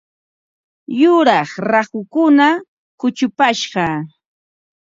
Yuraq rahukuna kuchupashqa.